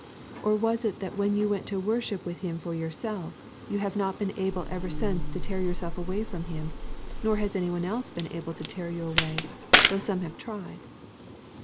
Or was it that when you went to worship with him for yourself you have not been able ever since to tear yourself away from him, nor has any one else been able to tear you away, though some have tried?